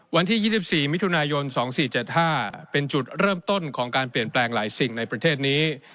วันที่๒๔มิถุนายน๒๔๗๕เป็นจุดเริ่มต้นของการเปลี่ยนแปลงหลายสิ่งในประเทศนี้